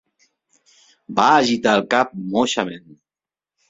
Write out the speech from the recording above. Va agitar el cap moixament.